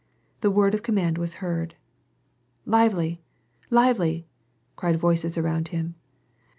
The word of command was heard. " Lively ! lively !" cried voices around him.